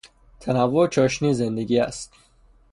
تنوع چاشنی زندگی است.